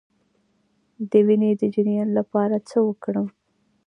د وینې د جریان لپاره باید څه وکړم؟